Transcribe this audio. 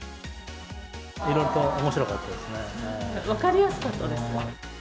いろいろとおもしろかったで分かりやすかったです。